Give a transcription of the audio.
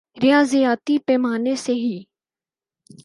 ریاضیاتی پیمانے سے ہی